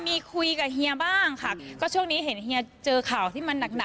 มีคุยกับเฮียบ้างค่ะก็ช่วงนี้เห็นเฮียเจอข่าวที่มันหนักหนัก